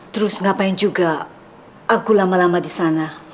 terus ngapain juga aku lama lama disana